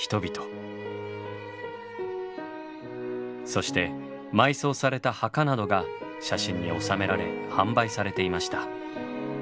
そして埋葬された墓などが写真に収められ販売されていました。